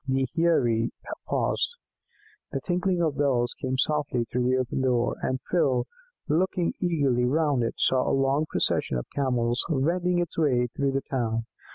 The Heirie paused. The tinkling of bells came softly through the open door, and Phil, looking eagerly round it, saw a long procession of Camels wending its way through the town.